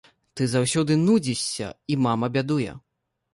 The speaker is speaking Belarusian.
Ты заўсёды нудзішся, і мама бядуе.